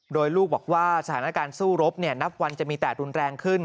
โดยลูกบอกว่าสถานการณ์สู้รบนับวันจะมีแต่รุนแรงขึ้น